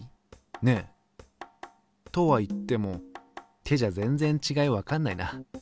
ねっ？とは言っても手じゃ全然ちがいわかんないな。